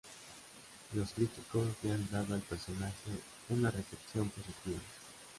Los críticos le han dado al personaje una recepción positiva.